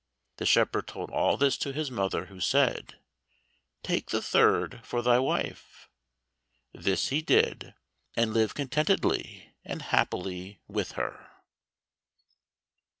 The shepherd told all this to his mother, who said, "Take the third for thy wife." This he did, and lived contentedly and happily with her.